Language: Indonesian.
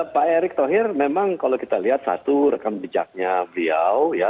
pak erick thohir memang kalau kita lihat satu rekam jejaknya beliau ya